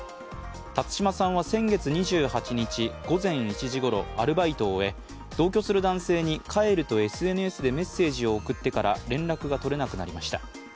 辰島さんは先月２８日午前１時ごろアルバイトを終え同居する男性に帰るとＳＮＳでメッセージを送ってから連絡が取れなくなりました。